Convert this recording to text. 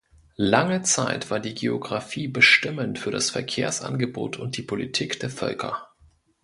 Lange Zeit war die Geografie bestimmend für das Verkehrsangebot und die Politik der Völker.